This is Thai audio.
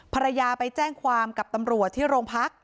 ภรรยาไปแจ้งความกับตำรวจที่โรงพัก